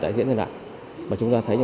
tái diễn trở lại mà chúng ta thấy